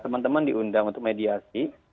teman teman diundang untuk mediasi